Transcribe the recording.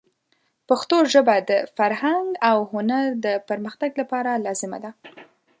پښتو ژبه د فرهنګ او هنر د پرمختګ لپاره لازمه ده.